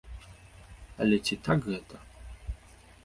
Але ці так гэта?